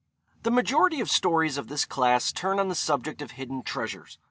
The majority of stories of this class turn on the subject of hidden treasures.